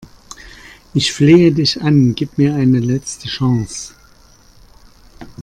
Ich flehe dich an, gib mir eine letzte Chance!